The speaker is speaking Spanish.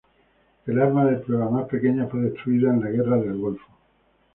El arma de pruebas más pequeña fue destruida en la guerra del Golfo.